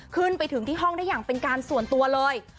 ขึ้นไปถึงที่ห้องได้อย่างเป็นการส่วนตัวเลย